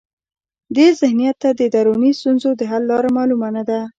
دې ذهنیت ته د دروني ستونزو د حل لاره معلومه نه ده.